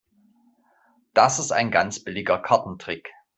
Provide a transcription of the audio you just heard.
Das ist ein ganz billiger Kartentrick.